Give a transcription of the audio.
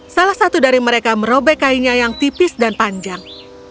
salah satu dari mereka merobek kainnya yang tipis dan panjang